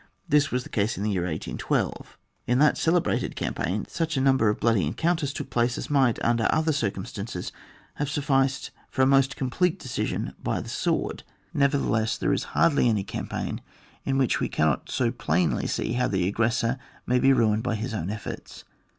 This was the case in the year 1812. In that celebrated campaign such a number of bloody en counters took plaxie as might, under other circumstances, have sufficed for a most complete decision by the sword; never theless, there is hardly any campaign in CHAP, vm.] METEODS OF RESISTANCE. 01 which we can so plainly see how the ag gressor may be ruined by his own efforts.